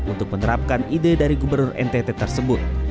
untuk menerapkan ide dari gubernur ntt tersebut